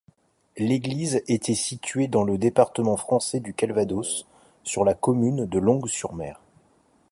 L'église était située dans le département français du Calvados, sur la commune de Longues-sur-Mer.